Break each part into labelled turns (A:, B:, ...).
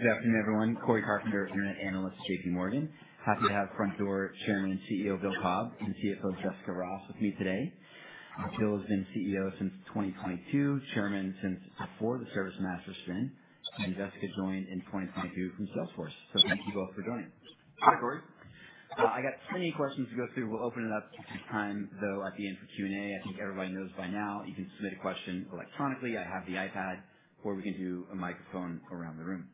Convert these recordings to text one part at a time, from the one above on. A: All right. Good afternoon, everyone. Corey Carpenter, Internet Analyst, JPMorgan. Happy to have Frontdoor Chairman, CEO Bill Cobb, and CFO Jessica Ross with me today. Bill has been CEO since 2022, Chairman since before the ServiceMaster spin, and Jessica joined in 2022 from Salesforce. So thank you both for joining.
B: Hi, Corey.
A: I got plenty of questions to go through. We'll open it up to take time though at the end for Q&A. I think everybody knows by now you can submit a question electronically. I have the iPad, or we can do a microphone around the room.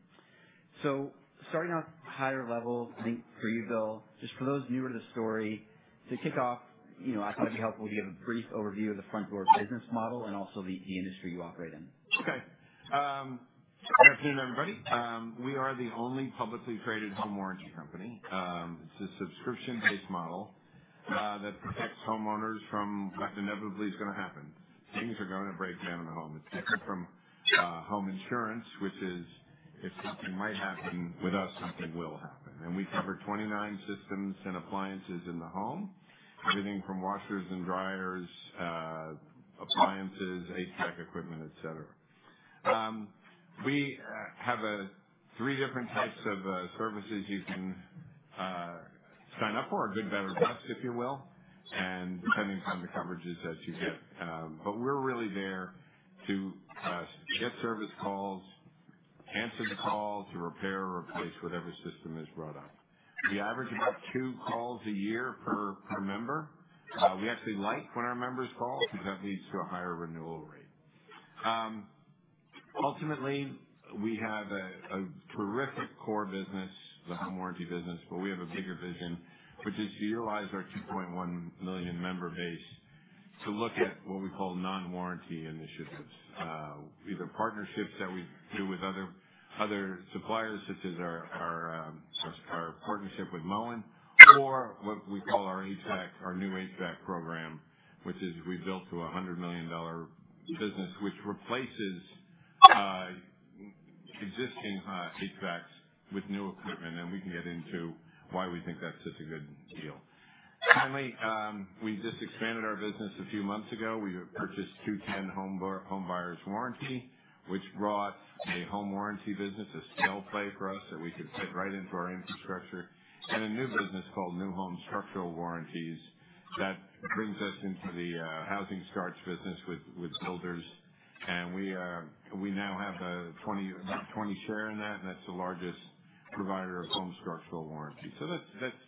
A: Starting off higher level, I think for you, Bill, just for those newer to the story, to kick off, I thought it'd be helpful to give a brief overview of the Frontdoor business model and also the industry you operate in.
B: Okay. Good afternoon, everybody. We are the only publicly traded home warranty company. It's a subscription-based model that protects homeowners from what inevitably is going to happen. Things are going to break down in the home. It's different from home insurance, which is if something might happen; with us, something will happen. And we cover 29 systems and appliances in the home, everything from washers and dryers, appliances, HVAC equipment, etc. We have three different types of services you can sign up for, a good, better, best, if you will, and depending upon the coverages that you get. But we're really there to get service calls, answer the calls to repair or replace whatever system is brought up. We average about two calls a year per member. We actually like when our members call because that leads to a higher renewal rate. Ultimately, we have a terrific core business, the home warranty business, but we have a bigger vision, which is to utilize our 2.1 million member base to look at what we call non-warranty initiatives, either partnerships that we do with other suppliers, such as our partnership with Moen, or what we call our HVAC, our new HVAC program, which is we built to a $100 million business, which replaces existing HVACs with new equipment. We can get into why we think that's such a good deal. Finally, we just expanded our business a few months ago. We purchased 2-10 Home Buyers Warranty, which brought a home warranty business, a skill play for us that we could fit right into our infrastructure, and a new business called new home structural warranties that brings us into the housing starts business with builders. We now have about 20% share in that, and that's the largest provider of home structural warranty. That's a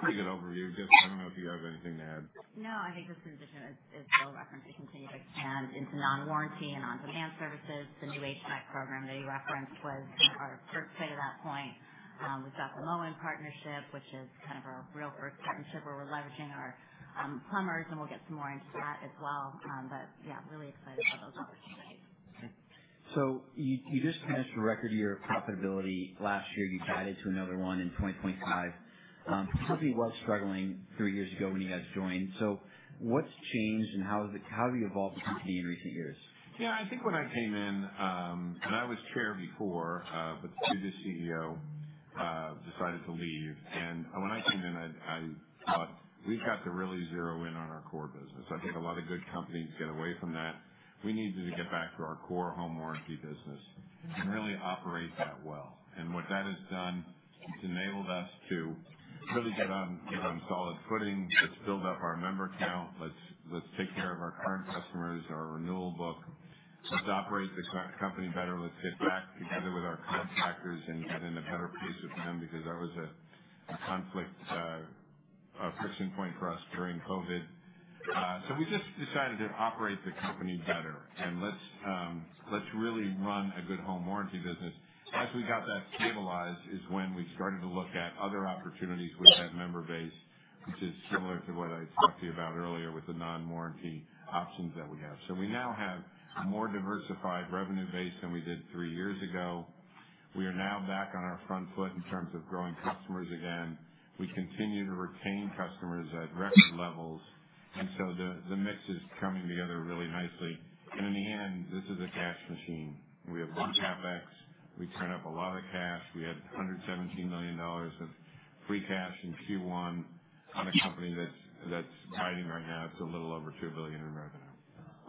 B: pretty good overview. Jessica, I don't know if you have anything to add.
C: No, I think this transition is still referenced to continue to expand into non-warranty and on-demand services. The new HVAC program that you referenced was our first play to that point. We've got the Moen partnership, which is kind of our real first partnership where we're leveraging our plumbers, and we'll get some more into that as well. Yeah, really excited about those opportunities.
A: Okay. So you just finished a record year of profitability last year. You've added to another one in 2025. The company was struggling three years ago when you guys joined. What's changed, and how have you evolved the company in recent years?
B: Yeah, I think when I came in, and I was chair before, but the previous CEO decided to leave. When I came in, I thought, "We've got to really zero in on our core business." I think a lot of good companies get away from that. We needed to get back to our core home warranty business and really operate that well. What that has done, it's enabled us to really get on solid footing. Let's build up our member count. Let's take care of our current customers, our renewal book. Let's operate the company better. Let's get back together with our contractors and get in a better pace with them because that was a conflict, a friction point for us during COVID. We just decided to operate the company better, and let's really run a good home warranty business. As we got that stabilized is when we started to look at other opportunities with that member base, which is similar to what I talked to you about earlier with the non-warranty options that we have. We now have a more diversified revenue base than we did three years ago. We are now back on our front foot in terms of growing customers again. We continue to retain customers at record levels. The mix is coming together really nicely. In the end, this is a cash machine. We have one CapEx. We turn up a lot of cash. We had $117 million of free cash in Q1 on a company that's biting right now. It's a little over $2 billion in revenue.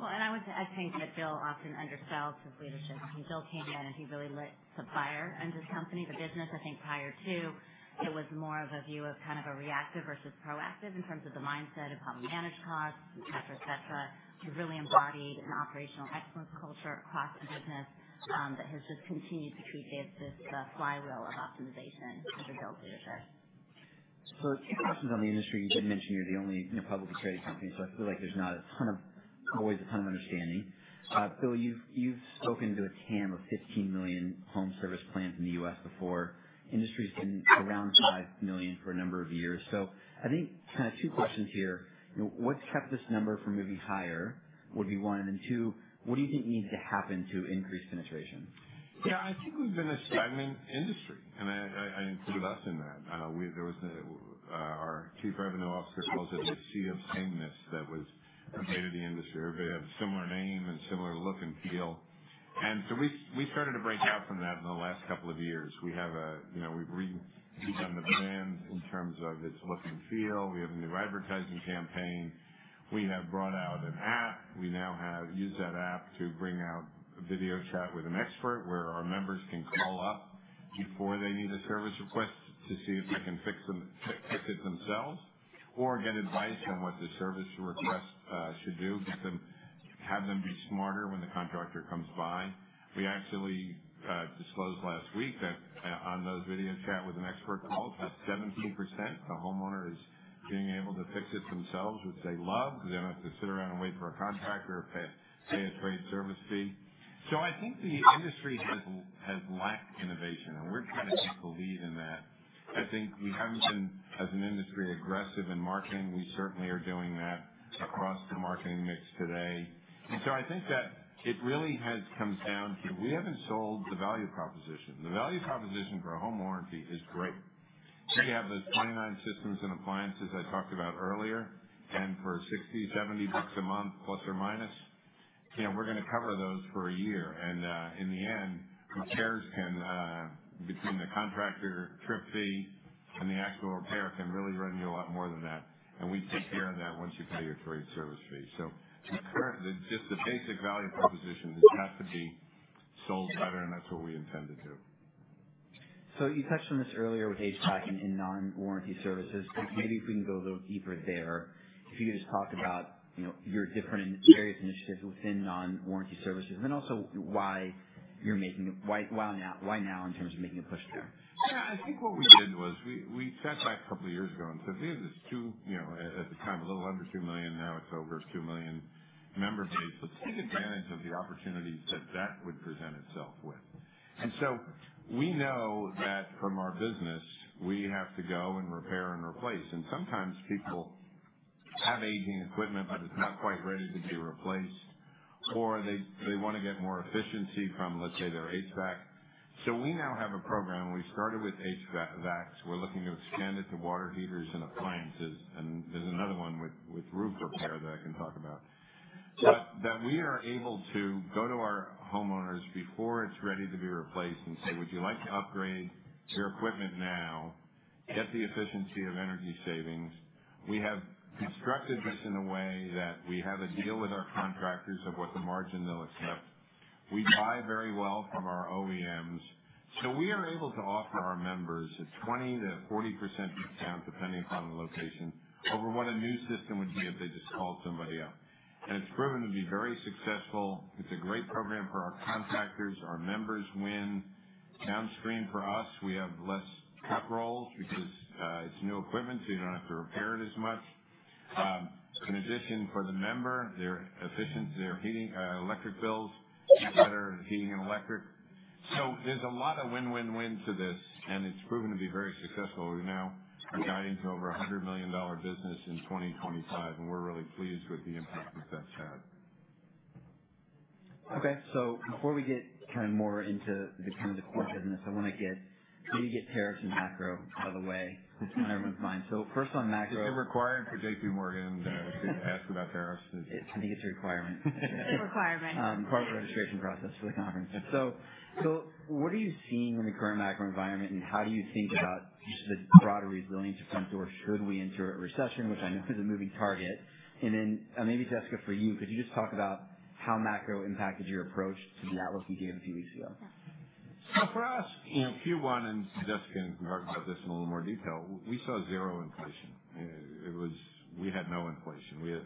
C: I would say I think that Bill often undersells his leadership. When Bill came in, he really lit the fire in this company, the business. I think prior to, it was more of a view of kind of a reactive versus proactive in terms of the mindset of how we manage costs, etc., etc. We really embodied an operational excellence culture across the business that has just continued to keep this flywheel of optimization under Bill's leadership.
A: Questions on the industry. You did mention you're the only publicly traded company, so I feel like there's not a ton of voice, a ton of understanding. Bill, you've spoken to a TAM of 15 million home service plans in the US before. Industry's been around 5 million for a number of years. I think kind of two questions here. What's kept this number from moving higher would be one. And then two, what do you think needs to happen to increase penetration?
B: Yeah, I think we've been a stagnant industry, and I included us in that. Our Chief Revenue Officer calls it the sea of sameness that was created in the industry. Everybody had a similar name and similar look and feel. We started to break out from that in the last couple of years. We have a we've redone the brand in terms of its look and feel. We have a new advertising campaign. We have brought out an app. We now use that app to bring out a video chat with an expert where our members can call up before they need a service request to see if they can fix it themselves or get advice on what the service request should do, have them be smarter when the contractor comes by. We actually disclosed last week that on those video chats with an expert calls, that 17% the homeowner is being able to fix it themselves, which they love because they do not have to sit around and wait for a contractor or pay a trade service fee. I think the industry has lacked innovation, and we are trying to take the lead in that. I think we have not been, as an industry, aggressive in marketing. We certainly are doing that across the marketing mix today. I think that it really comes down to we have not sold the value proposition. The value proposition for a home warranty is great. We have those 29 systems and appliances I talked about earlier, and for $60-$70 a month, plus or minus, we are going to cover those for a year. In the end, repairs can, between the contractor trip fee and the actual repair, really run you a lot more than that. We take care of that once you pay your trade service fee. Just the basic value proposition has got to be sold better, and that's what we intend to do.
A: You touched on this earlier with HVAC and non-warranty services. Maybe if we can go a little deeper there, if you could just talk about your different various initiatives within non-warranty services, and then also why you're making it, why now in terms of making a push there?
B: Yeah, I think what we did was we sat back a couple of years ago and said, "There's this two, at the time, a little under 2 million. Now it's over 2 million member base. Let's take advantage of the opportunities that that would present itself with." We know that from our business, we have to go and repair and replace. Sometimes people have aging equipment, but it's not quite ready to be replaced, or they want to get more efficiency from, let's say, their HVAC. We now have a program. We started with HVAC. We're looking to expand it to water heaters and appliances. There's another one with roof repair that I can talk about. We are able to go to our homeowners before it's ready to be replaced and say, "Would you like to upgrade your equipment now? Get the efficiency of energy savings. We have constructed this in a way that we have a deal with our contractors of what the margin they'll accept. We buy very well from our OEMs. We are able to offer our members a 20%-40% discount, depending upon the location, over what a new system would be if they just called somebody up. It has proven to be very successful. It is a great program for our contractors. Our members win downstream for us. We have less cut roles because it is new equipment, so you do not have to repair it as much. In addition, for the member, their electric bills are better, heating and electric. There is a lot of win-win-win to this, and it has proven to be very successful. We now are guiding to over a $100 million business in 2025, and we're really pleased with the impact that that's had.
A: Okay. So before we get kind of more into the core business, I want to maybe get tariffs and macro out of the way on everyone's mind. First on macro.
B: Is it required for JPMorgan to ask about tariffs?
A: I think it's a requirement.
C: It's a requirement.
A: Corporate registration process for the conference. What are you seeing in the current macro environment, and how do you think about just the broader resilience of Frontdoor should we enter a recession, which I know is a moving target? Maybe, Jessica, for you, could you just talk about how macro impacted your approach to the outlook you gave a few weeks ago?
B: For us, Q1, and Jessica can talk about this in a little more detail, we saw zero inflation. We had no inflation.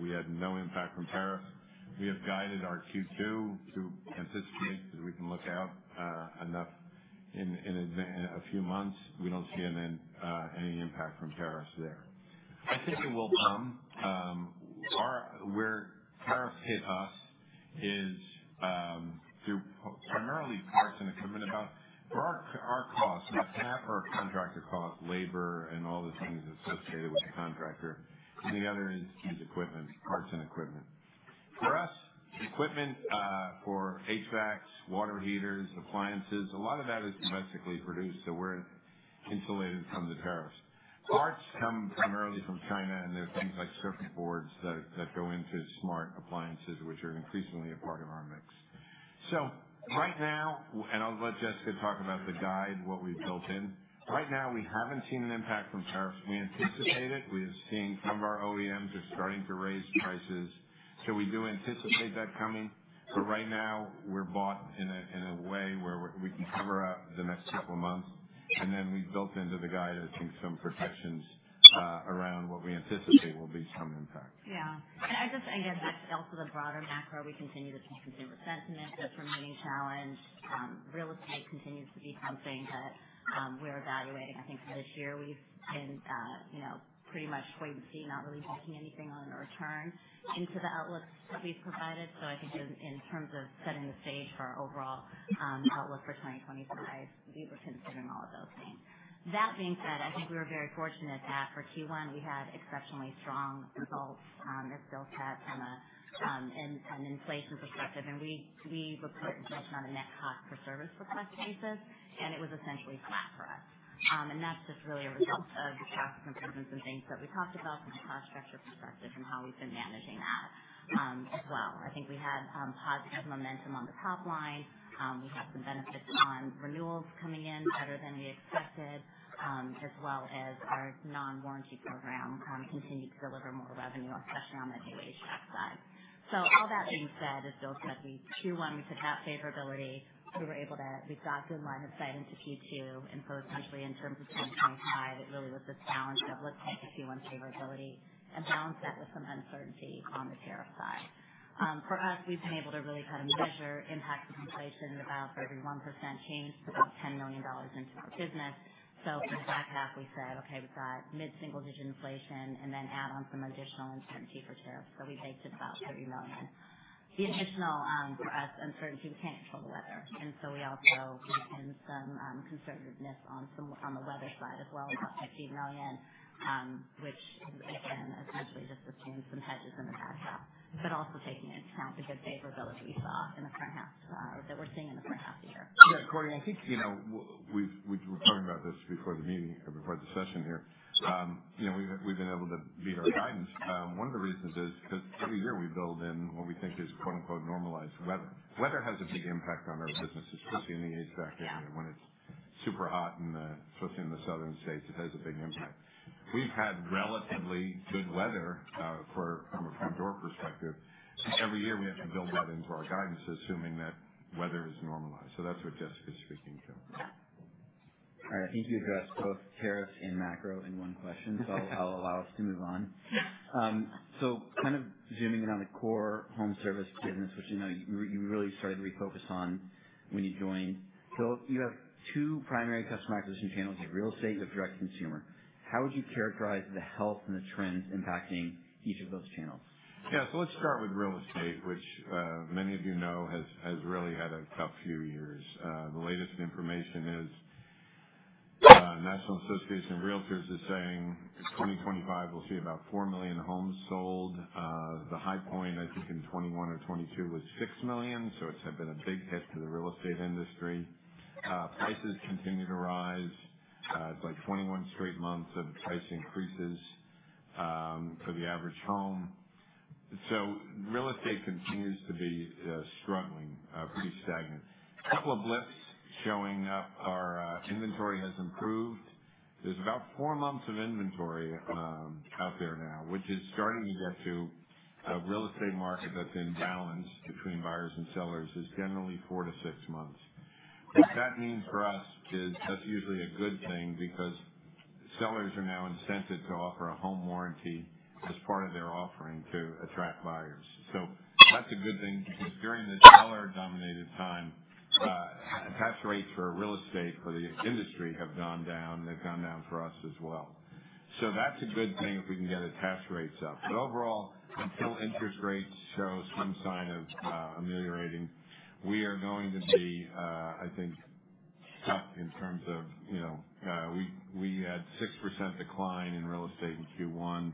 B: We had no impact from tariffs. We have guided our Q2 to anticipate that we can look out enough in a few months. We do not see any impact from tariffs there. I think it will come. Where tariffs hit us is through primarily parts and equipment. For our costs, about half our contractor costs, labor, and all the things associated with the contractor. The other is parts and equipment. For us, equipment for HVACs, water heaters, appliances, a lot of that is domestically produced, so we are insulated from the tariffs. Parts come primarily from China, and there are things like circuit boards that go into smart appliances, which are increasingly a part of our mix. Right now, and I'll let Jessica talk about the guide, what we've built in. Right now, we haven't seen an impact from tariffs. We anticipate it. We are seeing some of our OEMs are starting to raise prices, so we do anticipate that coming. Right now, we're bought in a way where we can cover up the next couple of months. We've built into the guide, I think, some protections around what we anticipate will be some impact.
C: Yeah. I guess that's also the broader macro. We continue to see consumer sentiment as remaining challenged. Real estate continues to be something that we're evaluating. I think for this year, we've been pretty much wait and see, not really making anything on a return into the outlooks that we've provided. I think in terms of setting the stage for our overall outlook for 2025, we were considering all of those things. That being said, I think we were very fortunate that for Q1, we had exceptionally strong results as Bill said from an inflation perspective. We reported much on a net cost per service request basis, and it was essentially flat for us. That's just really a result of the cost improvements and things that we talked about from a cost structure perspective and how we've been managing that as well. I think we had positive momentum on the top line. We had some benefits on renewals coming in better than we expected, as well as our non-warranty program continued to deliver more revenue, especially on the new HVAC side. All that being said, as Bill said, Q1, we could have favorability. We were able to, we've got good line of sight into Q2. Essentially, in terms of 2025, it really was this balance of, let's take the Q1 favorability and balance that with some uncertainty on the tariff side. For us, we've been able to really kind of measure impacts of inflation in about every 1% change to about $10 million into our business. For the back half, we said, "Okay, we've got mid-single digit inflation," and then add on some additional uncertainty for tariffs. We baked in about $30 million. The additional, for us, uncertainty, we can't control the weather. We also put in some conservativeness on the weather side as well, about $50 million, which, again, essentially just assumed some hedges in the back half, but also taking into account the good favorability we saw in the front half that we're seeing in the front half of the year.
B: Yeah, Corey, I think we were talking about this before the meeting or before the session here. We've been able to meet our guidance. One of the reasons is because every year we build in what we think is "normalized weather." Weather has a big impact on our business, especially in the HVAC area when it's super hot, especially in the southern states. It has a big impact. We've had relatively good weather from a Frontdoor perspective. Every year, we have to build that into our guidance, assuming that weather is normalized. That's what Jessica's speaking to.
A: All right. I think you addressed both tariffs and macro in one question, so I'll allow us to move on. Kind of zooming in on the core home service business, which you really started to refocus on when you joined. You have two primary customer acquisition channels: your real estate and your direct consumer. How would you characterize the health and the trends impacting each of those channels?
B: Yeah. So let's start with real estate, which many of you know has really had a tough few years. The latest information is the National Association of Realtors is saying in 2025, we'll see about 4 million homes sold. The high point, I think, in 2021 or 2022 was 6 million. So it's been a big hit to the real estate industry. Prices continue to rise. It's like 21 straight months of price increases for the average home. So real estate continues to be struggling, pretty stagnant. A couple of blips showing up are inventory has improved. There's about four months of inventory out there now, which is starting to get to a real estate market that's in balance between buyers and sellers is generally four to six months. What that means for us is that's usually a good thing because sellers are now incented to offer a home warranty as part of their offering to attract buyers. That's a good thing because during the seller-dominated time, tax rates for real estate for the industry have gone down. They've gone down for us as well. That's a good thing if we can get the tax rates up. Overall, until interest rates show some sign of ameliorating, we are going to be, I think, stuck in terms of we had 6% decline in real estate in Q1.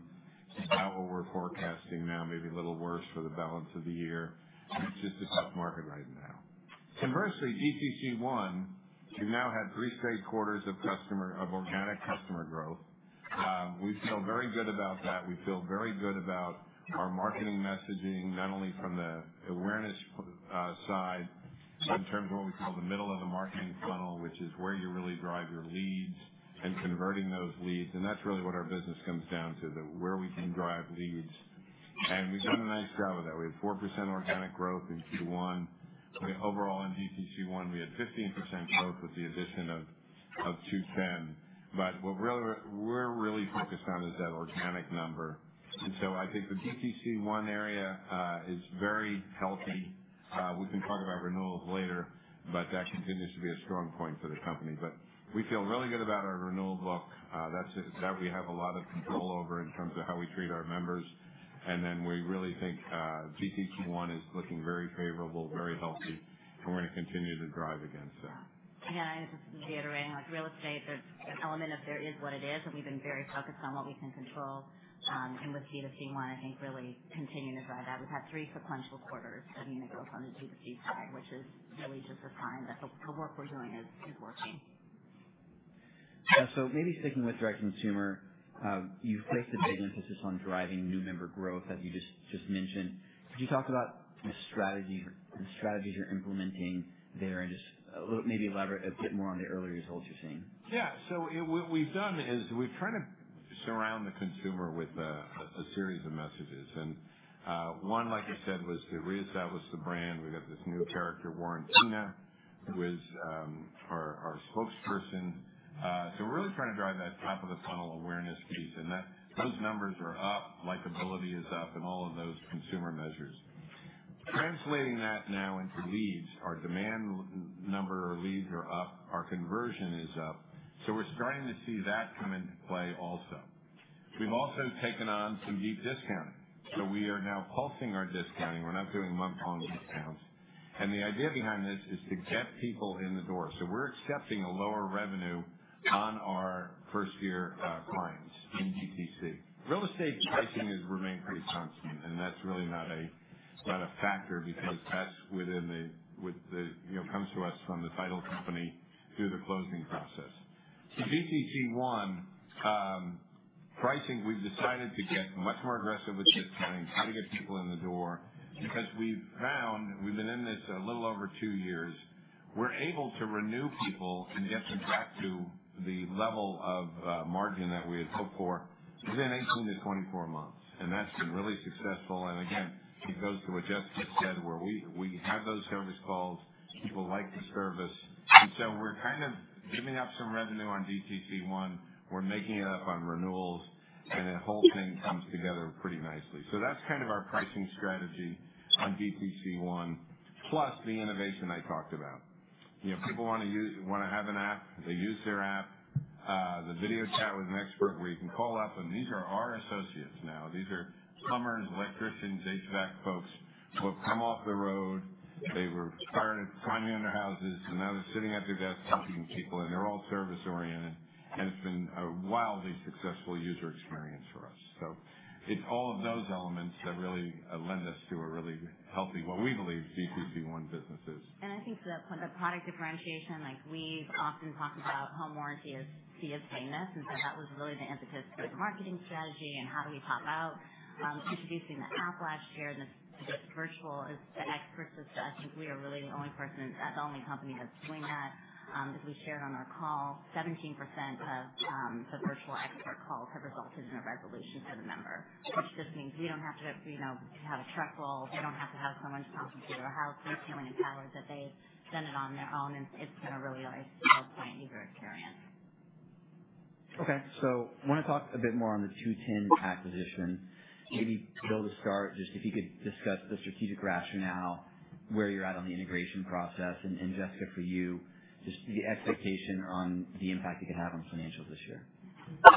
B: It's about what we're forecasting now, maybe a little worse for the balance of the year. It's just a tough market right now. Conversely, DCC1, we've now had three straight quarters of organic customer growth. We feel very good about that. We feel very good about our marketing messaging, not only from the awareness side but in terms of what we call the middle of the marketing funnel, which is where you really drive your leads and converting those leads. That is really what our business comes down to, where we can drive leads. We have 4% organic growth in Q1. Overall, in DCC1, we had 15% growth with the addition of Q10. What we are really focused on is that organic number. I think the DCC1 area is very healthy. We can talk about renewals later, that continues to be a strong point for the company. We feel really good about our renewal book that we have a lot of control over in terms of how we treat our members. We really think DCC1 is looking very favorable, very healthy, and we're going to continue to drive against it.
C: Again, I was just reiterating, like real estate, there's an element of there is what it is, and we've been very focused on what we can control. With D2C, I think really continuing to drive that. We've had three sequential quarters of unit growth on the D2C side, which is really just a sign that the work we're doing is working.
A: Yeah. So maybe sticking with direct consumer, you've placed a big emphasis on driving new member growth that you just mentioned. Could you talk about the strategies you're implementing there and just maybe elaborate a bit more on the early results you're seeing?
B: Yeah. What we've done is we've tried to surround the consumer with a series of messages. One, like I said, was to reestablish the brand. We got this new character, Warrentina, who is our spokesperson. We're really trying to drive that top of the funnel awareness piece. Those numbers are up. Likability is up in all of those consumer measures. Translating that now into leads. Our demand number or leads are up. Our conversion is up. We're starting to see that come into play also. We've also taken on some deep discounting. We are now pulsing our discounting. We're not doing month-on discounts. The idea behind this is to get people in the door. We're accepting a lower revenue on our first-year clients in DTC. Real estate pricing has remained pretty constant, and that's really not a factor because that's within the it comes to us from the title company through the closing process. So DTC pricing, we've decided to get much more aggressive with discounting, try to get people in the door because we've found, and we've been in this a little over two years, we're able to renew people and get them back to the level of margin that we had hoped for within 18-24 months. That's been really successful. Again, it goes to what Jessica said, where we have those service calls. People like the service. We're kind of giving up some revenue on DTC. We're making it up on renewals, and the whole thing comes together pretty nicely. That's kind of our pricing strategy on DTC, plus the innovation I talked about. People want to have an app. They use their app. The video chat with an expert where you can call up, and these are our associates now. These are plumbers, electricians, HVAC folks. They've come off the road. They were climbing on their houses, and now they're sitting at their desks helping people, and they're all service-oriented. It's been a wildly successful user experience for us. It is all of those elements that really lend us to a really healthy, what we believe, DTC1 business is.
C: I think the product differentiation, like we've often talked about home warranty as famous. That was really the impetus for the marketing strategy and how do we top out. Introducing the app last year and the virtual experts, I think we are really the only company that's doing that. As we shared on our call, 17% of the virtual expert calls have resulted in a resolution for the member, which just means we don't have to have a truck roll. They don't have to have someone to talk them through their house. They're feeling empowered that they've done it on their own. It's been a really nice sell point user experience.
A: Okay. I want to talk a bit more on the 2-10 acquisition. Maybe Bill, to start, just if you could discuss the strategic rationale, where you're at on the integration process, and Jessica, for you, just the expectation on the impact it could have on financials this year.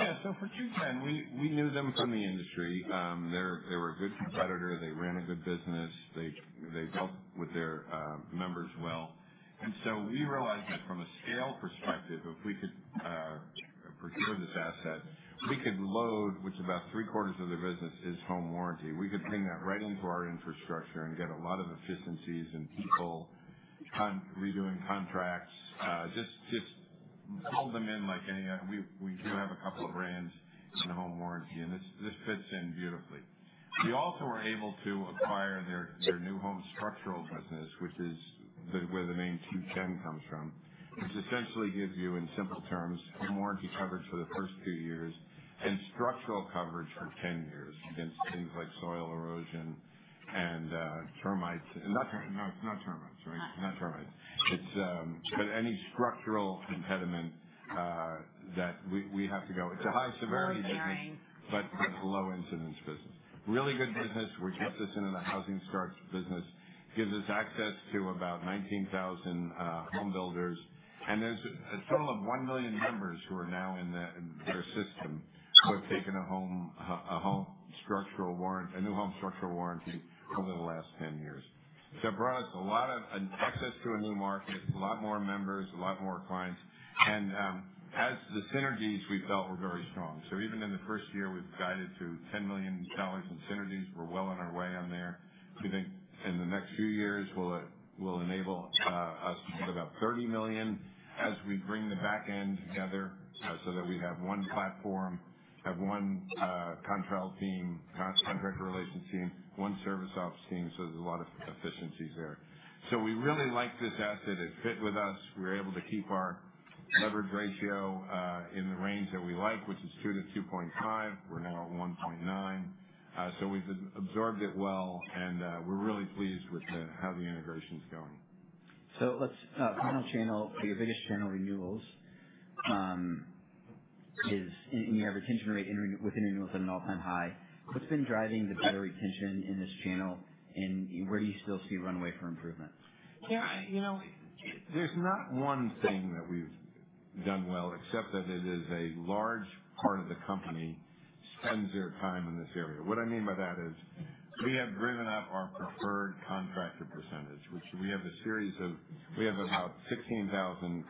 B: Yeah. For 2-10, we knew them from the industry. They were a good competitor. They ran a good business. They dealt with their members well. We realized that from a scale perspective, if we could procure this asset, we could load, which about three-quarters of their business is home warranty. We could bring that right into our infrastructure and get a lot of efficiencies and people redoing contracts, just pull them in like any other. We do have a couple of brands in home warranty, and this fits in beautifully. We also were able to acquire their new home structural business, which is where the main 2-10 comes from, which essentially gives you, in simple terms, home warranty coverage for the first two years and structural coverage for 10 years against things like soil erosion and termites. No, it's not termites, right? Not termites. Any structural impediment that we have to go. It's a high severity business, but it's a low incidence business. Really good business. We're just this into the housing starts business. It gives us access to about 19,000 homebuilders. And there's a total of 1 million members who are now in their system who have taken a new home structural warranty over the last 10 years. It brought us a lot of access to a new market, a lot more members, a lot more clients. As the synergies, we felt were very strong. Even in the first year, we've guided through $10 million in synergies. We're well on our way on there. We think in the next few years, we'll enable us to get about $30 million as we bring the back end together so that we have one platform, have one contract relations team, one service ops team. There is a lot of efficiencies there. We really like this asset. It fit with us. We were able to keep our leverage ratio in the range that we like, which is 2-2.5. We're now at 1.9. We have absorbed it well, and we're really pleased with how the integration's going.
A: Final channel, your biggest channel renewals is, and you have retention rate within renewals at an all-time high. What's been driving the better retention in this channel, and where do you still see runway for improvement?
B: Yeah. There's not one thing that we've done well, except that it is a large part of the company spends their time in this area. What I mean by that is we have driven up our preferred contractor percentage, which we have a series of, we have about 16,000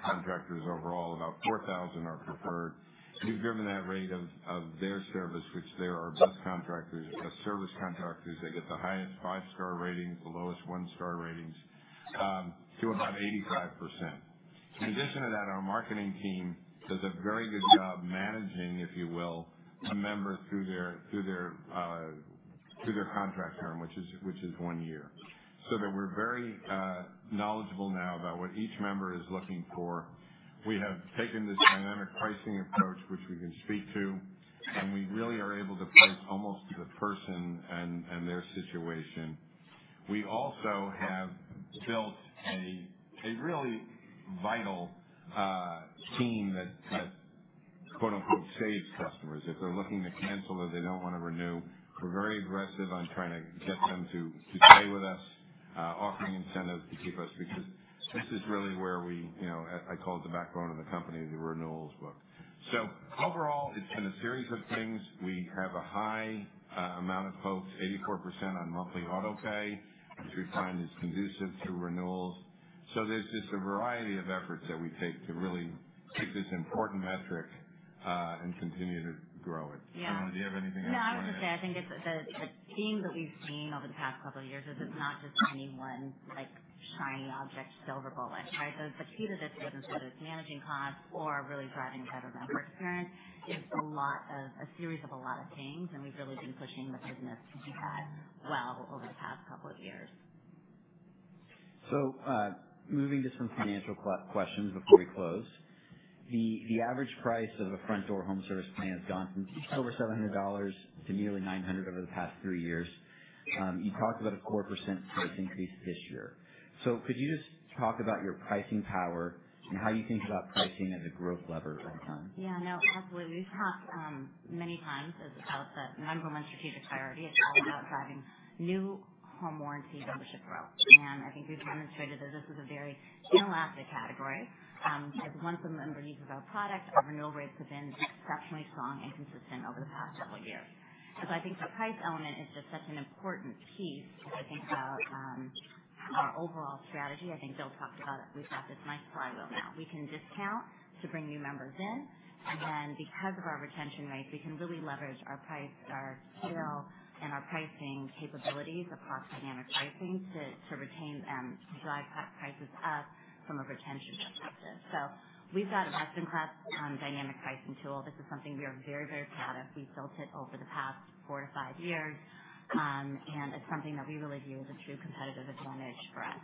B: contractors overall. About 4,000 are preferred. We've driven that rate of their service, which are our best contractors, best service contractors. They get the highest 5-star ratings, the lowest 1-star ratings, to about 85%. In addition to that, our marketing team does a very good job managing, if you will, a member through their contract term, which is one year. We are very knowledgeable now about what each member is looking for. We have taken this dynamic pricing approach, which we can speak to, and we really are able to price almost to the person and their situation. We also have built a really vital team that "saves" customers. If they're looking to cancel or they don't want to renew, we're very aggressive on trying to get them to stay with us, offering incentives to keep us because this is really where we—I call it the backbone of the company—the renewals book. Overall, it's been a series of things. We have a high amount of folks, 84% on monthly autopay, which we find is conducive to renewals. There's just a variety of efforts that we take to really keep this important metric and continue to grow it. Do you have anything else?
C: Yeah. I was going to say, I think the theme that we've seen over the past couple of years is it's not just any one shiny object, silver bullet, right? The key to this business, whether it's managing costs or really driving a better member experience, is a series of a lot of things. We've really been pushing the business to do that well over the past couple of years.
A: Moving to some financial questions before we close. The average price of a Frontdoor Home Service Plan has gone from over $700 to nearly $900 over the past three years. You talked about a 4% price increase this year. Could you just talk about your pricing power and how you think about pricing as a growth lever over time?
C: Yeah. No, absolutely. We've talked many times as a member-on-one strategic priority. It's all about driving new home warranty membership growth. I think we've demonstrated that this is a very inelastic category because once a member uses our product, our renewal rates have been exceptionally strong and consistent over the past couple of years. I think the price element is just such an important piece if we think about our overall strategy. I think Bill talked about it. We've got this nice flywheel now. We can discount to bring new members in. Then because of our retention rates, we can really leverage our scale and our pricing capabilities across dynamic pricing to drive prices up from a retention perspective. We've got a best-in-class dynamic pricing tool. This is something we are very, very proud of. We've built it over the past four to five years. It's something that we really view as a true competitive advantage for us.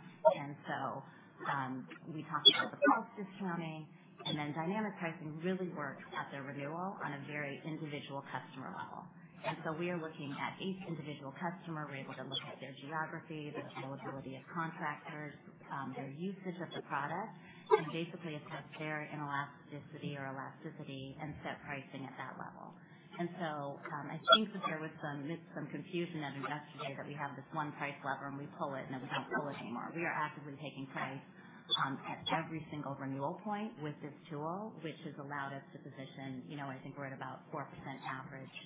C: We talked about the cost discounting. Dynamic pricing really works at the renewal on a very individual customer level. We are looking at each individual customer. We're able to look at their geography, the availability of contractors, their usage of the product, and basically assess their inelasticity or elasticity and set pricing at that level. I think that there was some confusion evidenced yesterday that we have this one price lever and we pull it, and then we don't pull it anymore. We are actively taking price at every single renewal point with this tool, which has allowed us to position. I think we're at about 4% average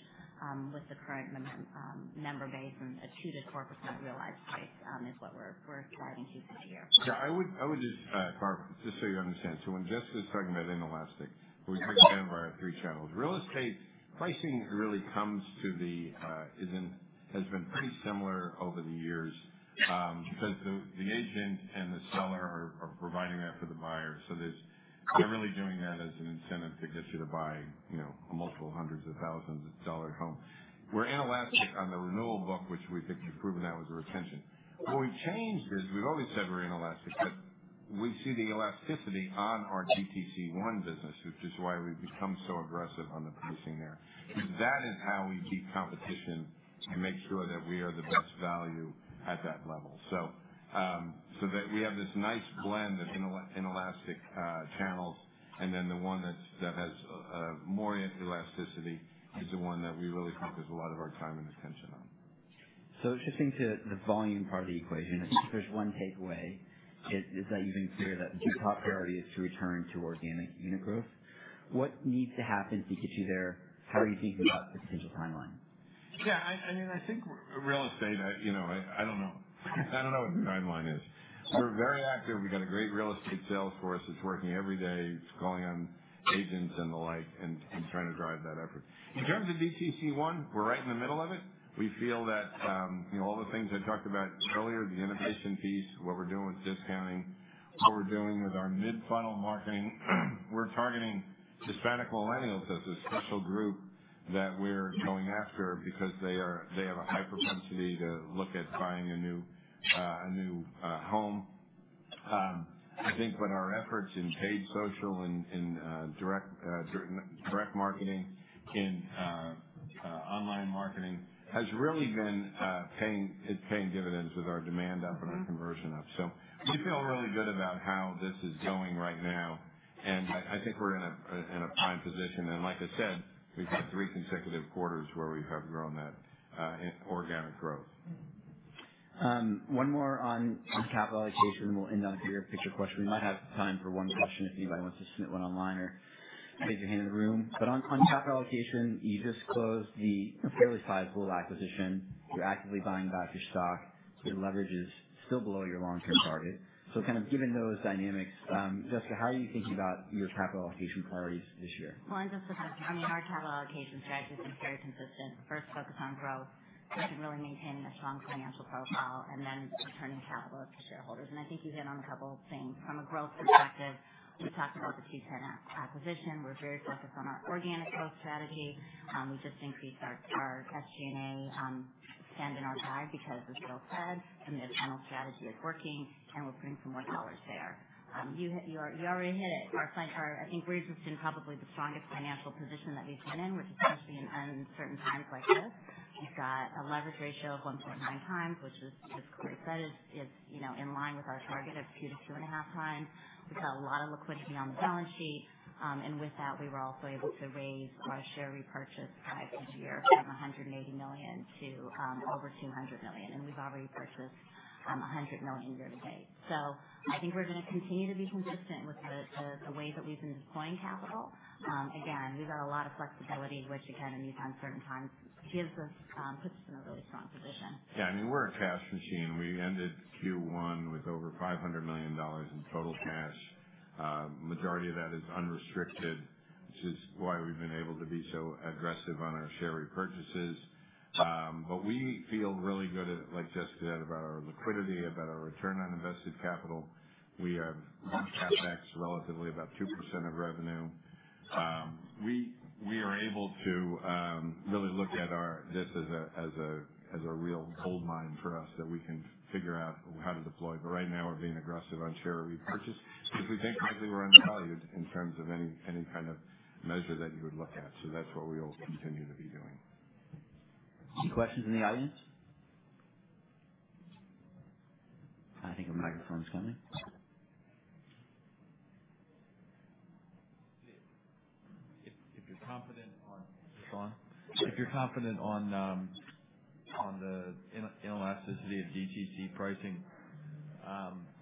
C: with the current member base and a 2%-4% realized price is what we're driving to this year.
B: Yeah. I would just, Mark, just so you understand. So when Jessica's talking about inelastic, we've picked out of our three channels. Real estate pricing really comes to the—has been pretty similar over the years because the agent and the seller are providing that for the buyer. They're really doing that as an incentive to get you to buy a multiple hundreds of thousands of dollar home. We're inelastic on the renewal book, which we think we've proven that was a retention. What we've changed is we've always said we're inelastic, but we see the elasticity on our DTC1 business, which is why we've become so aggressive on the pricing there. That is how we beat competition and make sure that we are the best value at that level. So that we have this nice blend of inelastic channels. The one that has more elasticity is the one that we really focus a lot of our time and attention on.
A: Shifting to the volume part of the equation, I think if there's one takeaway, it's that you've been clear that your top priority is to return to organic unit growth. What needs to happen to get you there? How are you thinking about the potential timeline?
B: Yeah. I mean, I think real estate, I don't know. I don't know what the timeline is. We're very active. We've got a great real estate sales force. It's working every day. It's calling on agents and the like and trying to drive that effort. In terms of DTC, we're right in the middle of it. We feel that all the things I talked about earlier, the innovation piece, what we're doing with discounting, what we're doing with our mid-funnel marketing, we're targeting Hispanic millennials as a special group that we're going after because they have a high propensity to look at buying a new home. I think that our efforts in paid social, in direct marketing, in online marketing has really been paying dividends with our demand up and our conversion up. We feel really good about how this is going right now. I think we're in a prime position. Like I said, we've had three consecutive quarters where we have grown that organic growth.
A: One more on capital allocation. Then we'll end on a bigger picture question. We might have time for one question if anybody wants to submit one online or raise your hand in the room. On capital allocation, you just closed a fairly sizable acquisition. You're actively buying back your stock. Your leverage is still below your long-term target. Kind of given those dynamics, Jessica, how are you thinking about your capital allocation priorities this year?
C: Our capital allocation strategy has been very consistent. First, focus on growth, which is really maintaining a strong financial profile, and then returning capital to shareholders. I think you hit on a couple of things. From a growth perspective, we talked about the 2-10 acquisition. We're very focused on our organic growth strategy. We just increased our SG&A spend in our guide because it's still fed. The mid-funnel strategy is working, and we're putting some more dollars there. You already hit it. I think we're just in probably the strongest financial position that we've been in, which is especially in uncertain times like this. We've got a leverage ratio of 1.9x, which is great. That is in line with our target of 2x-2.5x. We've got a lot of liquidity on the balance sheet. With that, we were also able to raise our share repurchase price this year from $180 million to over $200 million. We've already purchased $100 million year to date. I think we're going to continue to be consistent with the way that we've been deploying capital. Again, we've got a lot of flexibility, which, in these uncertain times, puts us in a really strong position.
B: Yeah. I mean, we're a cash machine. We ended Q1 with over $500 million in total cash. The majority of that is unrestricted, which is why we've been able to be so aggressive on our share repurchases. We feel really good, like Jessica said, about our liquidity, about our return on invested capital. We have CapEx relatively about 2% of revenue. We are able to really look at this as a real gold mine for us that we can figure out how to deploy. Right now, we're being aggressive on share repurchase because we think likely we're undervalued in terms of any kind of measure that you would look at. That's what we will continue to be doing.
A: Any questions in the audience? I think a microphone's coming. If you're confident on—
B: Go on. If you're confident on the inelasticity of DTC pricing,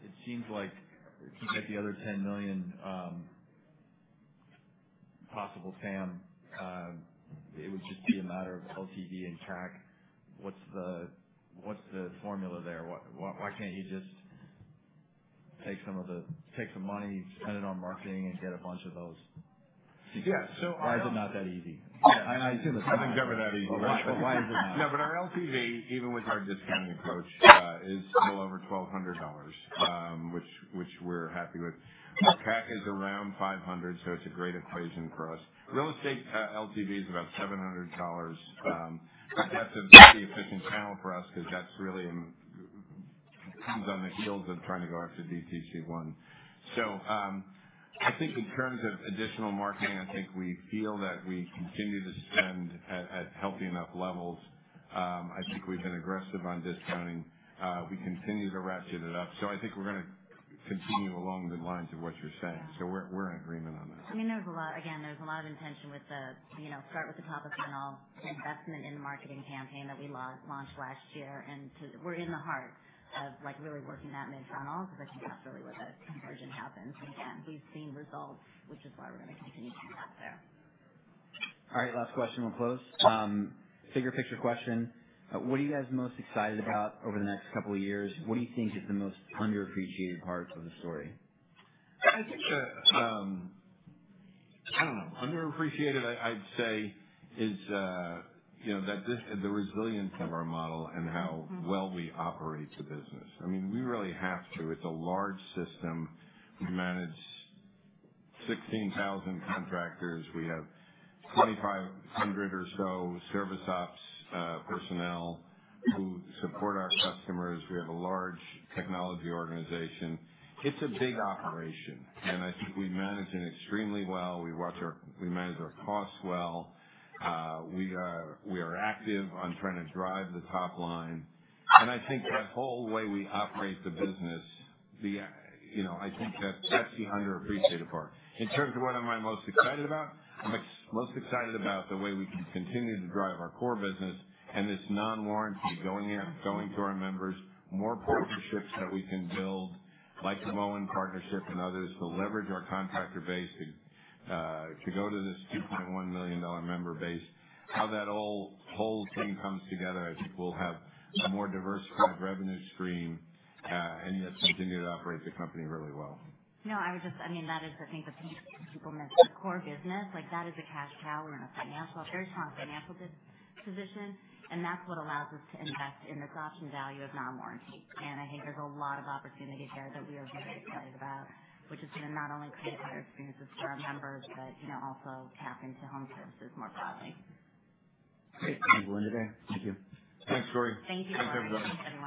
B: it seems like you get the other 10 million possible TAM. It would just be a matter of LTV and CAC. What's the formula there? Why can't you just take some money, spend it on marketing, and get a bunch of those? Yeah. So our. Why is it not that easy? Yeah. I assume nothing's ever that easy. Why is it not? No, but our LTV, even with our discounting approach, is well over $1,200, which we're happy with. Our CAC is around $500, so it's a great equation for us. Real estate LTV is about $700. That's a pretty efficient channel for us because that really comes on the heels of trying to go after DTC1. I think in terms of additional marketing, I think we feel that we continue to spend at healthy enough levels. I think we've been aggressive on discounting. We continue to ratchet it up. I think we're going to continue along the lines of what you're saying. We're in agreement on that.
C: I mean, again, there's a lot of intention with the start with the top of funnel investment in the marketing campaign that we launched last year. We're in the heart of really working that mid-funnel because I think that's really where the conversion happens. Again, we've seen results, which is why we're going to continue to get up there.
A: All right. Last question before we close. Bigger picture question. What are you guys most excited about over the next couple of years? What do you think is the most underappreciated part of the story?
B: I don't know. Underappreciated, I'd say, is the resilience of our model and how well we operate the business. I mean, we really have to. It's a large system. We manage 16,000 contractors. We have 2,500 or so service ops personnel who support our customers. We have a large technology organization. It's a big operation. I think we manage it extremely well. We manage our costs well. We are active on trying to drive the top line. I think that whole way we operate the business, I think that's the underappreciated part. In terms of what am I most excited about? I'm most excited about the way we can continue to drive our core business and this non-warranty going to our members, more partnerships that we can build, like the Moen partnership and others, to leverage our contractor base to go to this $2.1 million member base. How that whole thing comes together, I think we'll have a more diversified revenue stream and yet continue to operate the company really well.
C: No, I would just—I mean, that is, I think, the piece people miss. Core business, that is a cash cow. We're in a very strong financial position. That is what allows us to invest in this option value of non-warranty. I think there's a lot of opportunity there that we are very excited about, which is going to not only create better experiences for our members, but also tap into home services more broadly.
A: Great. Thank you, Linda. Thank you.
B: Thanks, Corey.
C: Thank you for having us.
B: Thank you, everybody.